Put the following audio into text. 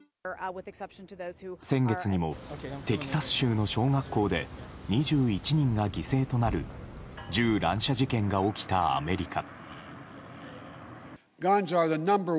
先月にもテキサス州の小学校で２１人が犠牲となる銃乱射事件が起きたアメリカ。